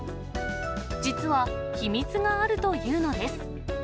実は秘密があるというのです。